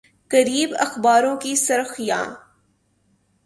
قریب اخباروں کی سرخیاں